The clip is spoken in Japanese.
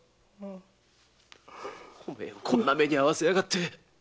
おめえをこんな目に遭わせやがって。